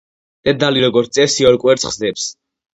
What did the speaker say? დედალი როგორც წესი, ორ კვერცხს დებს.